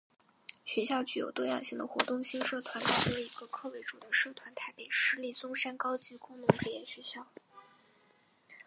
学校具有多样性的活动性社团大多以各科为主的社团台北市立松山高级工农职业学校